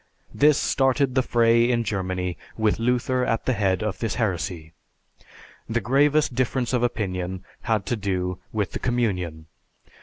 This started the fray in Germany with Luther at the head of this heresy. The gravest difference of opinion had to do with the Communion.